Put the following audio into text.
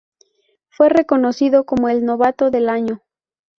Fue reconocido como el novato del año.